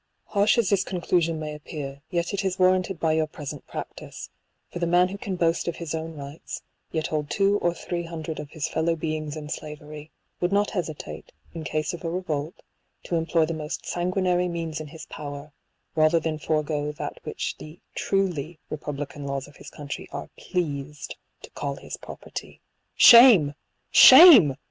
Harsh as this conclusion may appear, yet it is warranted by your present practice ; for the man who can boast of his own rights, yet hold two or three hundred of his fellow beings in slavery, would not hesitate, in case of a revolt, to employ the most sanguinary means in his power, rather than forego that which the truly republican laws of his country are pleased to call his property. Shame ! Shame